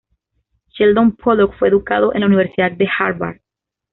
Sheldon Pollock fue educado en la Universidad de Harvard.